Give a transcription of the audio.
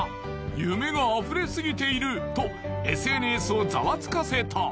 夢があふれすぎている！とＳＮＳをザワつかせた